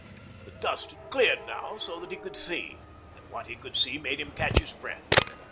The dust had cleared now, so that he could see. And what he could see made him catch his breath.